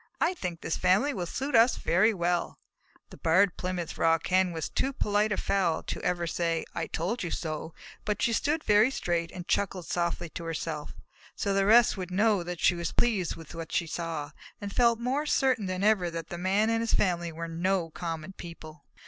"I think this family will suit us very well." The Barred Plymouth Rock Hen was too polite a fowl ever to say "I told you so," but she stood very straight and chuckled softly to herself, so the rest could know that she was pleased with what she saw, and felt more certain than ever that the Man and his family were no common people.